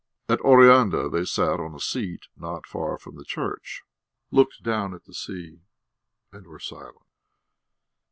At Oreanda they sat on a seat not far from the church, looked down at the sea, and were silent.